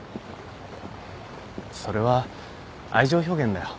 それは愛情表現だよ。